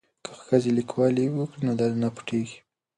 که ښځې لیکوالي وکړي نو درد نه پټیږي.